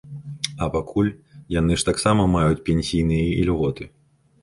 А пакуль яны ж таксама маюць пенсійныя ільготы.